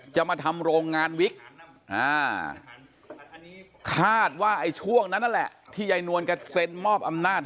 จะมาทำโรงงานวิกคาดว่าไอ้ช่วงนั้นนั่นแหละที่ยายนวลแกเซ็นมอบอำนาจ